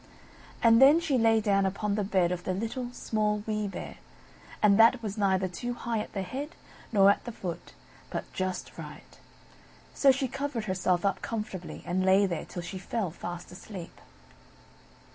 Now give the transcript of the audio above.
And then she lay down upon the bed of the Little, Small, Wee Bear; and that was neither too high at the head, nor at the foot, but just right. So she covered herself up comfortably, and lay there till she fell fast asleep.